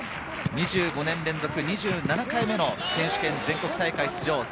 ２５年連続２７回目の選手権全国大会出場。